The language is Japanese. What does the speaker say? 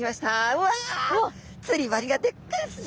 うわ釣り針がでっかいですね。